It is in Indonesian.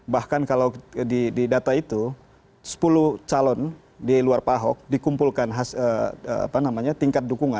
bahkan kalau di data itu sepuluh calon di luar pak ahok dikumpulkan tingkat dukungan